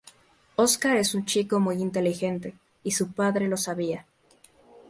Oskar es un chico muy inteligente, y su padre lo sabía.